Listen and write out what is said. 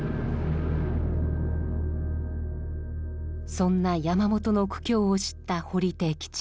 そんな山本の苦境を知った堀悌吉。